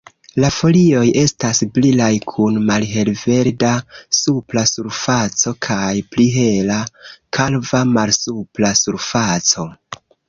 La folioj estas brilaj kun malhelverda supra surfaco kaj pli hela, kalva malsupra surfaco.